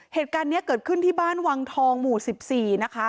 เหตุการณ์นี้เกิดขึ้นที่บ้านวังทองหมู่๑๔นะคะ